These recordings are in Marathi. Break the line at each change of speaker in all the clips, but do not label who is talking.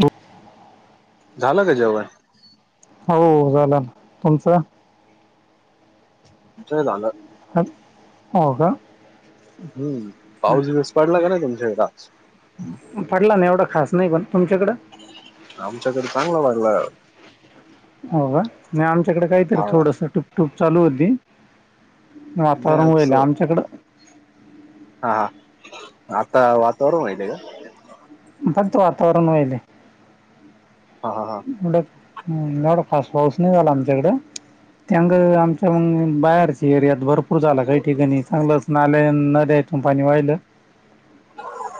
ब
झालं का जेवळ
हो झालं तुमचं
य झालं
ह हो का
हम्म पाऊस वस पडला का नाही तुमच्याक आज
पडला ना एवढा खास नाही पण तुमच्याकडं
आमच्याकडे चांगला वागला
होघ नाही आमच्याकडे काहीतरी
हा
थोडस टूप टूप चालू होती
नाही
वातावरण
आज
वईल आमच्याकडं
हा हा आता वातावरण माहिती आहेय का
बत वातावरण होल
हा हा हा
एवढ फास्ट पाऊस नाही झाला आमच्याकडें त्याग आमच्या बाहेरचे एरियात भरपूर झाला काही ठिकाणी चांगलंच नाल्या नद्यात कंपनी वाहिलं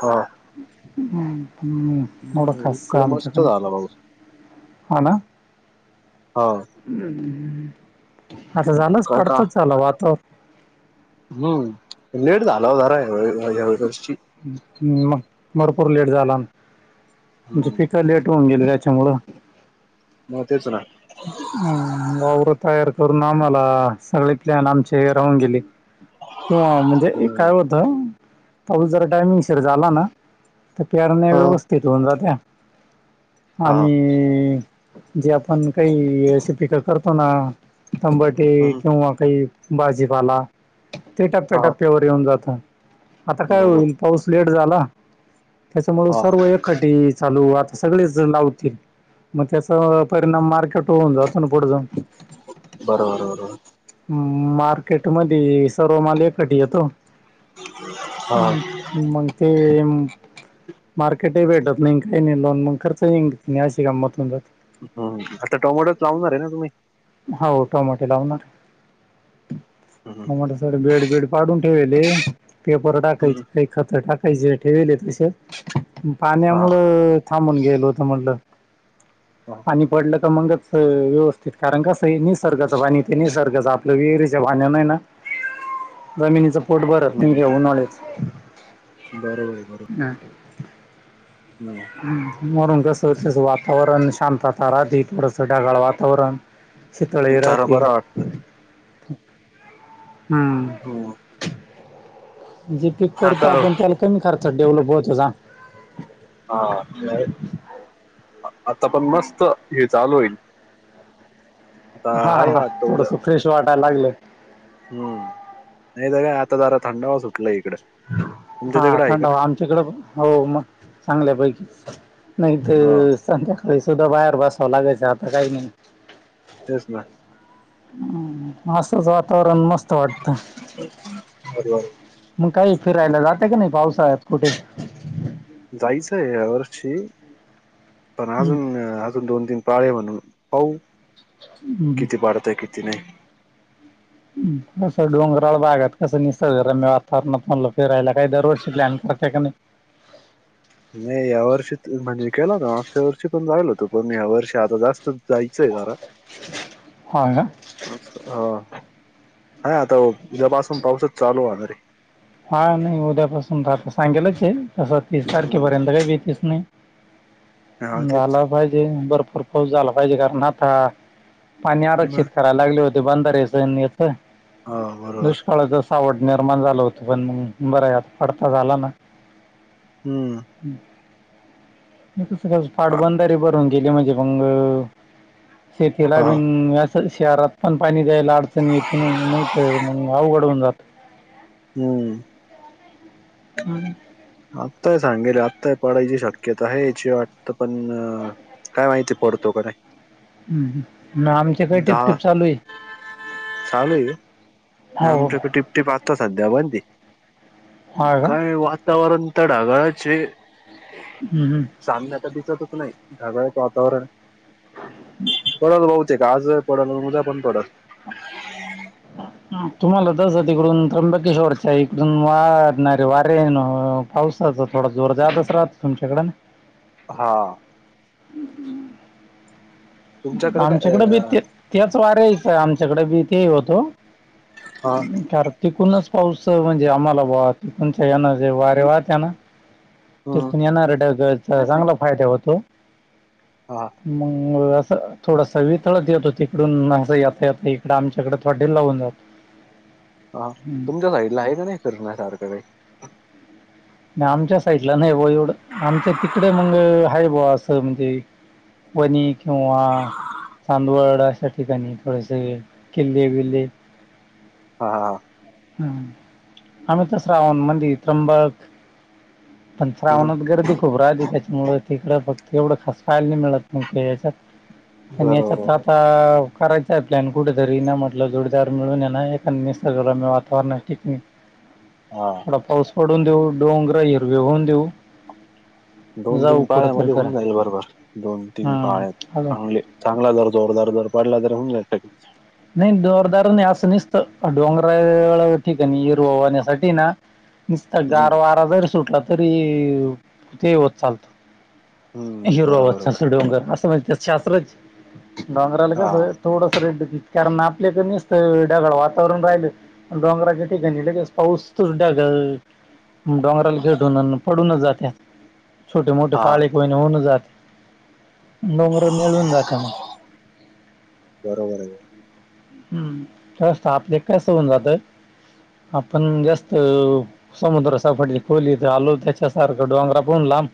हा
ह् हम् मोडं
हम्म,
खासच
इकडे मस्त
आमच्याकडेच
झाला पाऊस
हाना
हा
आता झाणच
का
पडत ला वातावरण
हम् नलेट झाला हो जरा ह्यावेसची
् मग भरपूर लेट झाला म्हणजे
हम्म
पिकं लेट होऊन गेली त्याच्यामुळं
म तेच ना
ह वावरवर तयार करून आम्हाला सगळे प्लॅन आमचे हे राहून गेले किंवा म्हणजे
हम्म
काय होतं. पाऊस जर टायमिंग शीर झाला ना तर पेरण्या.
हा
व्यवस्थित होऊन जात्या
हा
आणि. जे आपण काही असे पिक करतो ना तंबाटे
हम्म
किंवा काही. भाजीपाला ते टप्प्या
हा
टप्पयावर येऊन जात. आता काय होईल
बरोबर
पाऊस लेट झाला त्याच्यामुळे
हा हा.
सर्व एक कटी चालू आता सगळेच लावतील. मग त्याचा परिणाम मार्केट होऊन जातो ना पुढ जाऊन.
बरोबर बरोबर.
मार्केट मध्ये सर्वमाल एक खट्टी येतो.
ह.
मग ते. मार्केटे भेटत नाही काही नाही लोन मग खर्च नाही अशी गंमत होऊ जाते.
हम्म आता टोमॅटोच लावणार आहेे ना तुम्ही.
हो टमाटे लावणार
हम्म
टमाटे सग बेड बेड. पाडून ठेवेले पेपर
हम्म
टाकायचे काही खत टाकायचे ठेवेले तसेच.
हा
पाण्यामुळ थांबून गेल होत म्हटलं
हा
पाणी पडलं. मंगच व्यवस्थित. कारण कसं ये निसर्गाचं पाणी ते निसर्गाचं आपलं विहिरच पाण्याने ना. जमिनीचं पोट भरत नाही ऊनहळ्याचे.
बरोबर ये बरोबर.
ना.
हम.
म्हरून कस तस वातावरण शांतता राहधी थोडसं ढगाळ वातावरण. शीतळे
जरा
राहती
बरा वाटत
हम्म.
हो.
जे पिक करतो
आता
आपण त्याला कमी खर्चात डेव्हलप व्हातो सां
हा आता पण मस्त हे चालू होईल. आता
हा
हाय
हा
वाटतं उद्या
थोडस फ्रेश वाटायला लागलं.
हम्म नाही तर काय आता जरा थंडावा सुटलाय.
हा थंडावा आमच्याकडे पण हो मग चांगल्या पैकी. नाही
हा
तर संध्याकाळी सुद्धा बाहेर बसावं लागायचं आता काही नाही.
तेच ना.
हम मस्तच वातावरण मस्त वाटत.
बरोबर
मग काही फिरायला जात्या का नाही पावसाळ्यात कुटे.
जायचं आहे या वर्षी पण
हम्म,
अजून अजून दोन तीन प्रळय म्हू पाऊ
हम्म,
किती बाढत किती नाही [unintelligible]
कसं डोंगराळ बागात कसं निसर्गरम्य वातावरणात म्हणलो फिरायला काही दरवर्षी प्लॅन करतेय का नाही.
नाही या वर्षी म्हणजे केला ना मागच्या वर्षी पण जायल होतो पण या्या वर्षी आता जास्त जायचंय खरा ह [inaudible]
हां का.
अच् हा ह आता उद्यापासून पाऊसच चालू होणार आहे.
हा नाही उद्यापासून राहता सांगेलच आहे तसं तीस तारखेपर्यंत
आहे
काही भीतीच नाही.
हा तेच
झाला पाहिजे भरपूर पाऊस झाला पाहिजे कारण आता. पाणी आरक्षित
मग
करायला लागले होते बांधारेचथ
हो बरोबर.
सळ ज सा आवड निर्माण झालं होतं पण मग बरं आहे आता पडता झाला ना
हम्म
स
हा
पाटबंधारी ब. ून गे म्हणजे मंग शेतीला
हा
भी आस शहरात पण पाणी द्यायला अडचण येते नाही नाही तर अवघडवून जात
हम्म
हम्म
आत्ताय सांगेल आत्ताय पडायची शक्यता आहे याची वाट तर पण काय माहिती पडतो क नाही
हम् आमच्या काही
दहा
टिपटिप चालू आहे हो
आमच्याक टिप टीप आत सध्या बण ती
हा का
काय वा वातावरण तर ढागाळच
हम्म, हम्म.
साांना आता दिसतच नाही ढगाळ्याचं वातावरण बच बहते का आज पडलजा पण पडल
तुम्हाला तस तिकडून त्र्यंबकेश्वरच्या इकडून वाढणारे वारे हेन् पावसाचचा थोडा जोर जातच राहत तुमच्याकड
हा
हम् हम्
तुमच्याकडे काय
आमच्याकडे भीेत त्याच वाऱ्याच आमच्याकडे बी ते होतो
हा
कार तिकूनच पाऊस म्हणजे आम्हाला ब तिकणच्या यांना जे वारे वाहत यांना ते
हम्म
पण येणारटचा चांगला फायदा होतो
ह
मंगळ थोडस वितळत येतो तिकडून येता यता इकडडे आमच्याकडे थोडे लावून जातो
हा
हम्म.
तुमच्या साइडला आहे का नाही फिरण्यासारखे काही
नाही आमच्या साईडला नाही बा एवढं आमच्या तिकड मग हा ब असं म्हणजे वनी किंवा चांदवड अशा ठिकाणी थोडेसे किल्ले बिल्ले
हा हा
हम आम्ही तस राहून मंद त्र्यंबक पण
हम्म
श्रावणत गरदी खूप राहिली त्याच्यामु तिकडडे फक्त एवढं खस खाय नाही मिळत मण ते याच्यात प याच्या तर
बरोबर
आता करायचा आहे प्लॅन कुठेतरी ना म्हटलं जोडीदार मिळून ये ना ए निसर्गवला म वातावरण टिकणी
हा
थडा पाऊस पडून देऊ डोंगरा हिरवी होऊन देऊ
दोन
जाऊ
तीन
कुठंतरी
पाळ्यामध्ये होऊन
फिरायला
जाईल बरोबर दोन तीन
हं.
पाळ्या
अजून
चांगले चांगला जर जोरदार जर पडला ज तर होऊ जा
नाही जोरदार नाही असं नसत डोंगरा ठीक आहे येर ववाण्यासाठी ना नसत
हम्म
गार वारा जरी सुटला तरी कठे होत चालत
हम्म
हिरोबा
बरोबर बरोबर
अस डोंगर असं म्हणजे शस्त्रच डोंगराला
हा
कसं थोडस रेड कारण आपल्याक मसत ढगाळ वातावरण राहिलं डोंगराच्या ठिकाणी ल पाऊस तच ढागल डोंगराला घेटून पडूनच जाते छोटे मोठे
हा
पाळीखईणी होऊन जाते नडोमर निळून जाते मग
बरोबर आहे
हम्म जास्त आपले कसं होऊन जात आपण जास्त समुद्र सफट खोली तर आलो त्याच्यासारखं डोंगरा पून लांब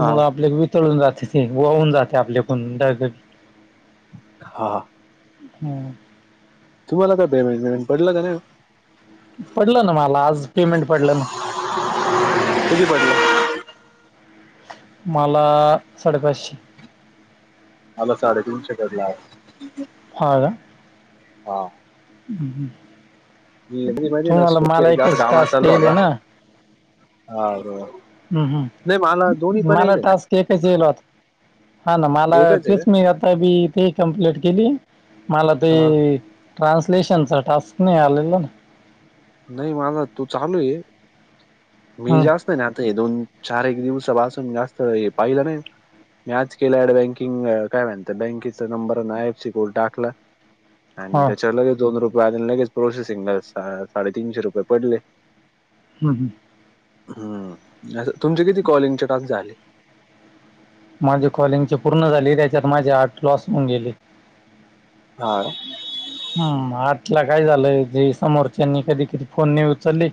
हा
आपल्या वितळून जाते ते वाहून जाते आपल्याकून ढग
हा
हम्
तुम्हाला का पेमेटेमें पडलं का नाही
पडलं ना मला आज पेमेंट पडलं ना
किती पडलं
मला साडेपाचशे
मला साडेतीनशे करलाय.
हा ना.
हा. मी मी माहिती ना
तुम्हाला मला
जास्त
एकच
कामा
टास्क
चालू
यायले
होता
ना.
हा दो
हम हम मला टास्क एकच येईल होता. हा ना मला
एकच आहे
तेच मी आता बी ते कंप्लीट केले. मला ते
का हा
ट्रान्सलेशनचा टास्क नाही आलेल.
नाही माझ तू चालूये मी
हम्म,
जास्त नातंय दोन चार एक दिवसापासून जास्त हे पाहिलं नाही मी आज केल ॲड बँकिंग काय अ म्हणता बँकेचा नंबर आयएफसी कोड टाकला. आणि
हा
त्याच्यावर लगेच दोन रुपये आणि लगेच प्रोसेसिंगला सा साडेतीनशे रुपये पडले.
हम हम.
हमं नाहीतर तुमचे किती कॉलिंगचे टास्क झाले?
माझे कॉलिंगचे पूर्ण झाले त्याच्यात माझे आठ लॉस होऊन गेले.
हा ना.
हम आठला काय झालंय जे समोरच्यांनी कधी कधी फोन नाई उचलले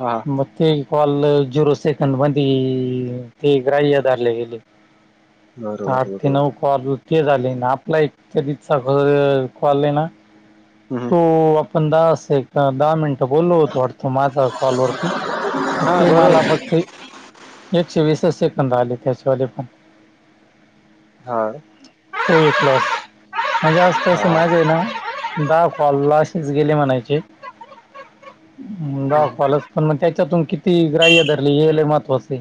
हा.
म ते कॉल झिरो सेकंद मध्ये ते ग्राह्य धरले गेले.
बरोबर
आठ ते
बरोबर
नऊ कॉल ते झाले ना आपला एक कधी चा कलले ना.
हम्म.
हो आपण दहा वाजता एकदा दहा मिन बोललो होतो वाटत माझा कॉलवररती मग
हा
ते
बरोबर
मला फक्त
आहे.
ते एकशे वीसच सेकंद आले त्याच्यावाली पण.
हा.
तो एक लॉस म्हणजे अस तस
हा
माजे आहे ना दहा कॉल लॉसच गेले म्हणायचे दहा कॉलच पण मग त्या च्यातून किती ग्राह्य धरले हे लई महत्वाचय.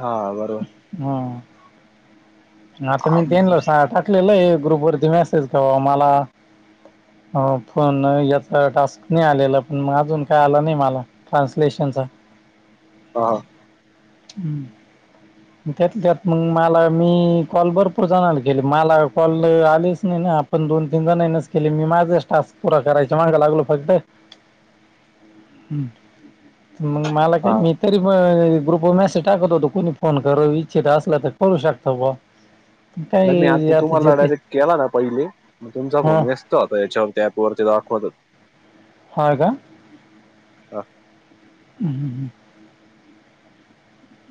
हा बरोबर.
हम आता मी त्यनला सहा टाक लेलंय ग्रुप वरती मेसेज कवा मला अ पण याचा टास्क नाही आलेला पण मग अजून काय आलं नाही मला. ट्रान्सलेशनचा.
हा.
हम्म. त्यात त्यात मग मला मी कॉल भरपूर जनाला केले मला कॉल आलेच नाही ना. पण दोन तीन जणांनच केले मी माझाच टास्क पुरा करायच्या माग लागलो फक्त
[inaudible]
हम्म. मग मला काय
हा
मी तरी म ग्रुप वर मेसेज टाकत होतो कोणी फोन करू इच्छित असला तर करू शकतो ब
नाही मी आता तुम्हाला डायरेक्ट केला ना पहिले मग तुमचा
हा
फोन व्यस त होता यच्यावरती अँपवरती दाखवत हो
हा का?
होत
हं हं हं.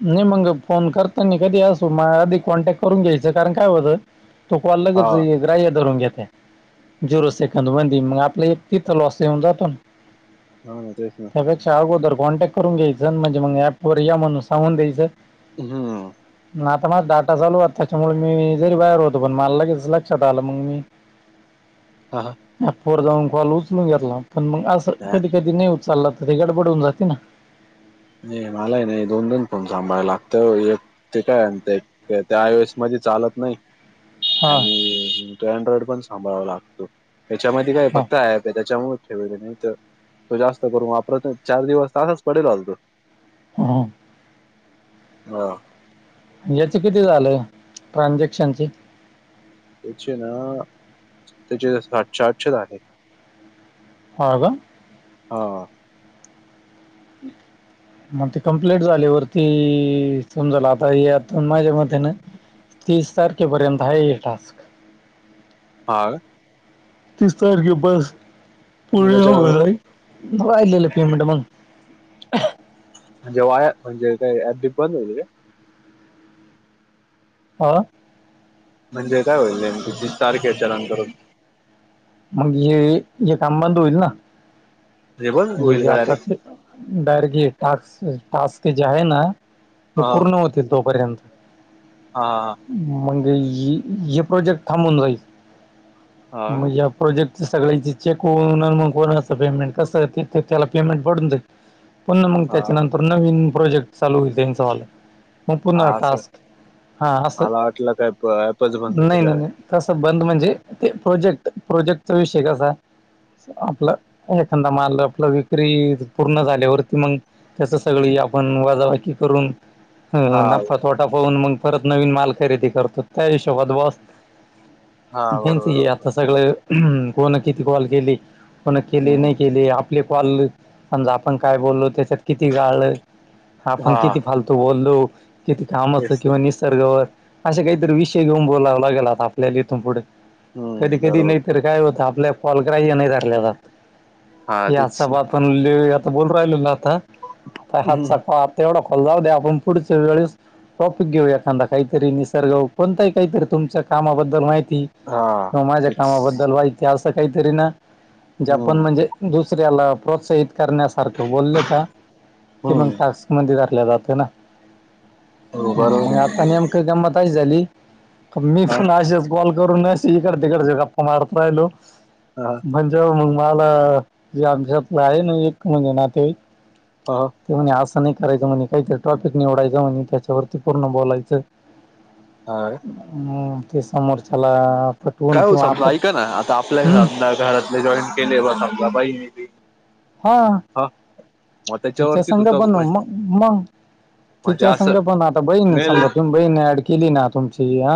नाही मग फोन करतानी कधी अस मा आधी कॉन्टॅक्ट करून घ्यायचं कारण काय होतं तो कॉल लगेच
हा
ग्राह्य धरून घेता येईन. झिरो सेकंद होईल बी मग आपलं एक तिथ लॉस येऊन जातो ना.
हा तेच ना.
त्यापेक्षा अगोदर कॉन्टॅक्ट करून घ्यायचं म्हणजे मग ऍपवर या म्हणून सांगून द्यायचं.
हम
आता माझ डाटा चालू त्याच्यामुळे मी जरी बाहेर होतो पण मला लगेच लक्षात आलं मग मी
हा हा
ह पोर जाऊन कॉल उचलून घेतला पण मग असं कधी कधी नाही उचचाललं तर ते गडबडून जाते ना
नाही मलाही नाही दोन दोन फोन सांभायला लागत एक ते काय आणते ते आयस म चालत नाही
हां
ो अँड्रॉइड पण सांभाळावा लागतो त्याच्यामध्ये काय
हां
फक्त ऍप आहे त्याच्यामुळे नाही तर तो जास्त करूपर चार दिवस तासच पडेल असल तो
हो
हा
याच किती झालंय ट्रान्झॅक्शनचे
त्याचे ना त्याचे साठशे आठशच आहे
हो का
ह
मग ते कं्प्लीट झाली वरती समजाला आता यातण माझ्या मते ना तीस तारखे पर्यंत आहे य टास्क
हा
तीस तारखे बस
मग
पुणे
त्याच्या
हो जाई आहिलेलं पेमेंट मग
म्हणजे वाया म्हणजे का अबदीी बंद होल रे
ह
म्हणजे काय होईल तुझ सारखे चरांकरून
मग हे हे काम बंद होईल ना
म्हणजे बंद
ग
होईल का डायरेक्ट
ज बैरग ट टस्क ज आहे ना हे
हा
पूर्ण होतील तोपर्यंत
हा
मगे प्रोजेकट थांबून जाई
हा
मग
हा
या प्रोजेक्ट सगळ्यां चेक होग कोण असं पेमेंट कसं ते त्याला पेमेंट पडून द पुन्हा मग
हा.
त्याच्यानंतर नवीन प्रोजेक्ट चालू होतेचवाला मग
हा
पुन्हा
असं
टास्क हा असं
मला वाटलं काय ॲपच बंद
नाही
केलं
नाही
आहे.
नाही तसं बंद म्हणजे ते प्रोजेक्ट प्रोजेक्टचा विषय कसा आपलं एखादाा मारलं आपला विक्री पूर्ण झाल्यावरती मग त्याचं सगळी आपण वाजावाकी करून
हा
ह नफत वाटा पाहून मग परत नवीन माल खरेदी करतो त्या हिशोबात बस
हा
च
बरोबर
आता
बरोबर
सगळं कोणा किती कॉल केली कोणा केली नाही
हम्म
केली पा आपण काय बोललो त्याच्यात किती गाळलं
हा
आपण किती फालतो बोललो किती कामाच
तेच ते
किंवा निसर्ग ववर असे काहीतरी विषय घेऊन बोलाव लागेला आपल्याला इथून पुढे कधी
हम्म
कधी
बरोबर
नाहीतर काय होत आपल्या फॉलग्राही नाही धरल्या जात
हा
याचा
तेच ना
बा आपण ल आता बोल राहिलेल आता आता
हम्म
हातचाक तेवढा खोला द्या आपण पुढच्या वेळेस टॉपिक घेऊ एखादा काहीतरी निसर्ग कोणता आहे काहीतरी तुमच्या कामाबद्दल माहिती
हा
त माझ्या
तेच
कामाबद्दल वाई ते असं काहीतरी ना जे आपण
हम्म
म्हणजे दुसऱ्याला प्रोत्साहित करण्यासारखं बोलल का ते मग
हम्म
टास्क म धरल्या जातं ना
हो
हम
बरोबर
मग
आहे
आता नेमक गमतच झाली मी
हा
पण गॉल करून न स कडते कडज गप मारतयल
ह
म्हणजे मग मला जे आमच्या आहे ना एक म्हणज ना ते
ह!
ते म्हणे असं नाही करायचं म्हणे काहीतरी टॉपिक निवडायचं म्हणे त्याच्यावरती पूर्ण बोलायचं.
ह!
ती समोरच्याला. पटवून
काय हो
किंवा
समजा
आपण
ऐका ना आता आपल्या
हम्म
समजा घरातले जॉईन केले ब समजा बा म
हा तिचा
त्याच्यावरती
संघ
सुद्धा
बनव मग मग,
म्हणजे
तिच्या
असं
संघ पण आता बहीण
मेल
समजा तुम्ही बहीण ऍड केली ना तुमची,